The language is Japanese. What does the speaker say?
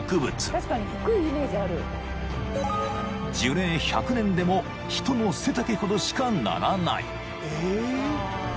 ［樹齢１００年でも人の背丈ほどしかならない］